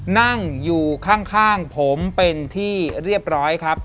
นั่งอยู่ข้างผมเป็นที่เรียบร้อยครับ